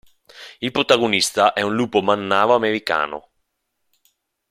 Il protagonista è un lupo mannaro americano.